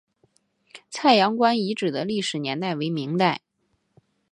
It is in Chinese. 葵阳关遗址的历史年代为明代。